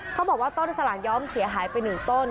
เขาบอกว่าต้นสลากย้อมเสียหายไป๑ต้น